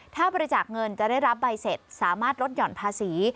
ถ้าบริจาคเงินจะได้รับใบเสร็จสามารถลดหย่อนภาษี